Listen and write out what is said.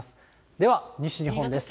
では、西日本です。